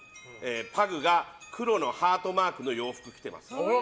パグが黒のハートマークの洋服を着てます。